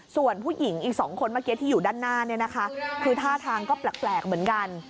ส่วนผู้หญิงอีก๒คนเมื่อกี้ที่อยู่ด้านหน้าเนี่ยนะคะคือท่าทางก็แปลกเหมือนกัน